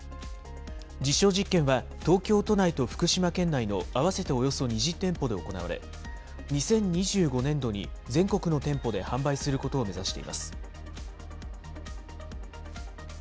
実証実験は、東京都内と福島県内の合わせておよそ２０店舗で行われ、２０２５年度に全国の店舗で販売することを目指しています。